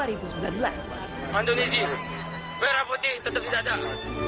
indonesia berapun itu tetap didadak